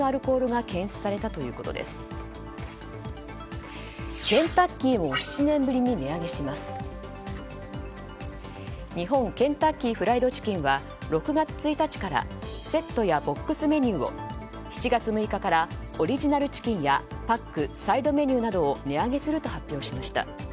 日本ケンタッキー・フライド・チキンは６月１日からセットやボックスメニューを７月６日からオリジナルチキンやパック、サイドメニューなどを値上げすると発表しました。